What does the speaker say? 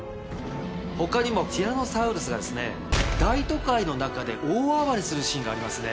他にもティラノサウルスが大都会の中で大暴れするシーンがありますね。